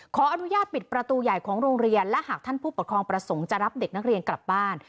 ขออนุญาตปิดประตูใหญ่ของโรงเรียนและหากท่านผู้ปกครองประสงค์จะรับเด็กนักเรียนกลับบ้าน